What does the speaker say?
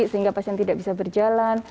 sehingga pasien tidak bisa berjalan